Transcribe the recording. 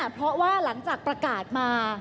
เพราะว่าหลังจากประกาศมา